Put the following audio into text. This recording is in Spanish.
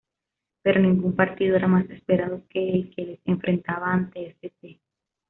Pero ningún partido era más esperado que el que les enfrentaba ante St.